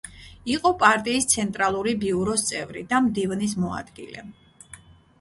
იყო პარტიის ცენტრალური ბიუროს წევრი და მდივნის მოადგილე.